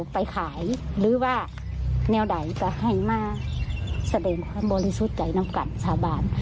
ไปขายหรือว่าแนวใดก็ให้มาแสดงความบริสุทธิ์ใจน้องกันชาวบ้าน